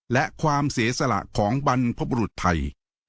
และความเสียสละของบรรพบรุษไทย